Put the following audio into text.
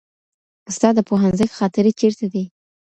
ستا د پوهنځي خاطرې چیرته دي؟